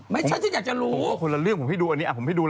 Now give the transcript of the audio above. ไม่ใช่สิดควรอยากจะรู้